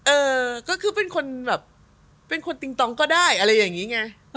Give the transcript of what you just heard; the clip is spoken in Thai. เออก็คือเป็นคนแบบเป็นคนติงตองก็ได้อะไรอย่างนี้ไง